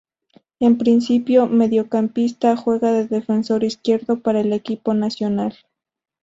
En principio mediocampista, juega de defensor izquierdo para el equipo nacional.